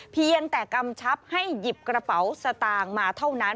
เพียงแต่กำชับให้หยิบกระเป๋าสตางค์มาเท่านั้น